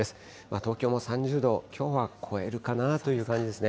東京も３０度、きょうは超えるかなという感じですね。